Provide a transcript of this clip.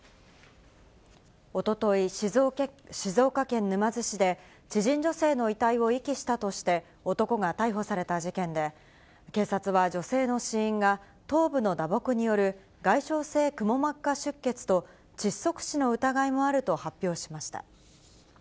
おととい、静岡県沼津市で、知人女性の遺体を遺棄したとして、男が逮捕された事件で、警察は女性の死因が、頭部の打撲による、外傷性くも膜下出血と窒息死の疑いもあると発表しました。